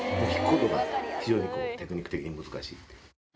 弾くことが非常にテクニック的に難しい。